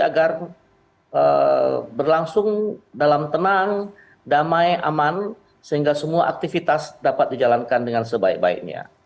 agar berlangsung dalam tenang damai aman sehingga semua aktivitas dapat dijalankan dengan sebaik baiknya